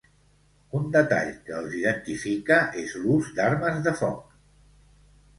Un detall que els identifica és l'ús d'armes de foc.